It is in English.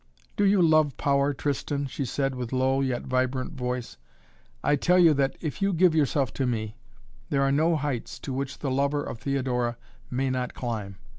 "Do you love power, Tristan?" she said with low, yet vibrant voice. "I tell you that, if you give yourself to me, there are no heights to which the lover of Theodora may not climb.